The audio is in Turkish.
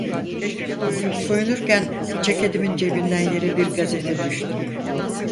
Soyunurken ceketimin cebinden yere bir gazete düştü.